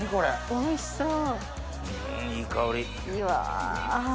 おいしそう。